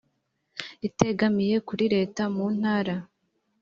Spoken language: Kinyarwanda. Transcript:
itegamiye kuri leta mu ntara